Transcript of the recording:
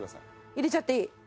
入れちゃっていい？